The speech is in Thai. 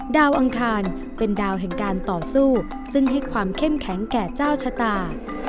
อังคารเป็นดาวแห่งการต่อสู้ซึ่งให้ความเข้มแข็งแก่เจ้าชะตา